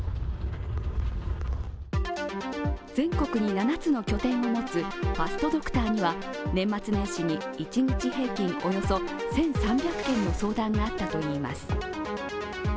全国に７つの拠点を持つファストドクターには年末年始に一日平均およそ１３００件の相談があったといいます。